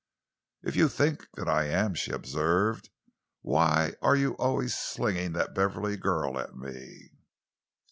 "If you think that I am," she observed, "why are you always slinging that Beverley girl at me?"